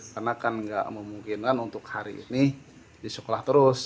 karena kan nggak memungkinkan untuk hari ini di sekolah terus